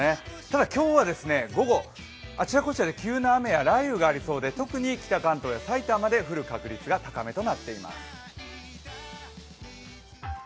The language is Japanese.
ただ、今日は午後、あちらこちらで急な雨や雷雨がありそうで特に北関東や埼玉で降る確率が高めとなっています。